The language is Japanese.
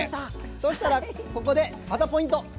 そしたらここでまたポイント。